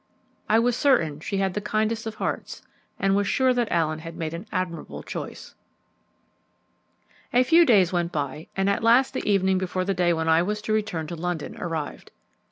I was certain she had the kindest of hearts, and was sure that Allen had made an admirable choice. A few days went by, and at last the evening before the day when I was to return to London arrived.